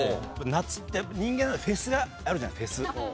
夏って人間だとフェスがあるじゃないフェス。